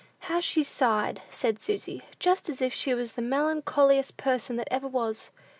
"How she sighed," said Susy, "just as if she was the melancholiest person that ever was!"